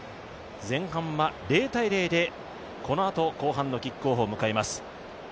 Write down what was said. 前半は０−０でこのあと後半のキックオフを迎えます。